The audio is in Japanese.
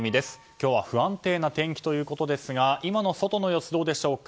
今日は不安定な天気ということですが今の外の様子どうでしょうか。